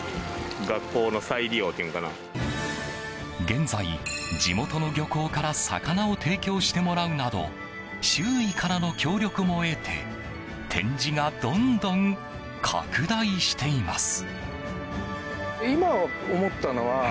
現在、地元の漁港から魚を提供してもらうなど周囲からの協力も得て展示がどんどん拡大しています。